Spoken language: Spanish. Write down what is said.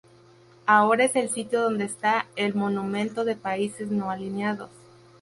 Ahora es el sitio donde esta el monumento de Países No Alineados.